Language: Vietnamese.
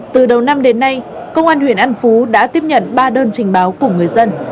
từ đầu năm đến nay công an huyện an phú đã tiếp nhận ba đơn trình báo của người dân